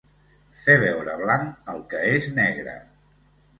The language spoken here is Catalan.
Fer veure blanc el que és negre.